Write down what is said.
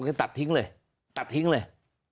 จะตัดทิ้งเลย